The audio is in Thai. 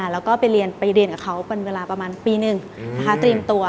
แล้วก็ไปเรียนไปเรียนกับเขาเป็นเวลาประมาณปีหนึ่งเตรียมตัว